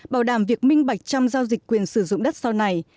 bảo đảm việc minh bạch trong giao dịch quyền sử dụng đất sau này